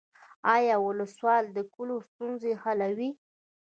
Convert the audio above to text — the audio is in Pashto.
آیا ولسوال د کلیو ستونزې حلوي؟